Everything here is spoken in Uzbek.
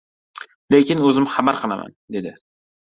— Lekin o‘zim xabar qilaman, dedi.